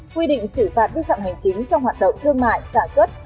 quy định xử phạt vi phạm hành chính trong hoạt động thương mại sản xuất